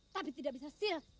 tapi tidak bisa sirap